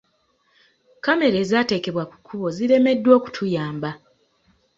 Kkamera ezaateekebwa ku kkubo ziremeddwa okutuyamba.